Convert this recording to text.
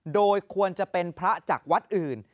โดยควรจะเป็นพระจากวัดอื่น